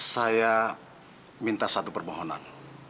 saya minta satu permohonan